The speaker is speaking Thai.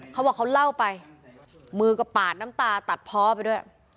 เขาบอกเขาเล่าไปมือก็ปาดน้ำตาตัดเพาะไปด้วย